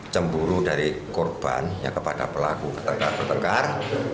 cemburu dari korban yang kepada pelaku ketengkar ketengkar